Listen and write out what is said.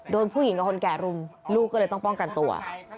โดนผู้หญิงกับคนแก่รุมลูกก็เลยต้องป้องกันตัว